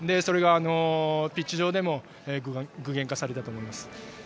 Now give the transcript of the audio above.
それがピッチ上でも具現化されたと思います。